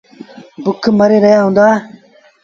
بُک مري رهيآ هُݩدآ۔